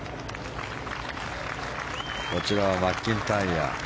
こちらはマッキンタイヤ。